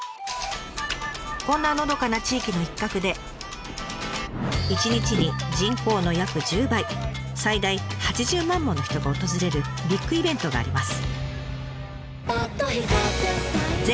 こんなのどかな地域の一角で一日に人口の約１０倍最大８０万もの人が訪れるビッグイベントがあります。